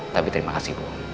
tapi terima kasih bu